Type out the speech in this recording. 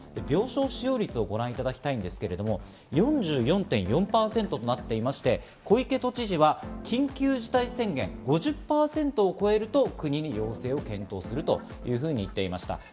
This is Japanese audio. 病床使用率をご覧いただきたいんですけど、４４．４％となっていまして、小池都知事は緊急事態宣言、５０％を超えると要請を検討すると言っていました。